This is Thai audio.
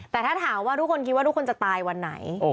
แต่ถ้าถามว่าทุกคนคิดว่าทุกคนจะตายวันไหน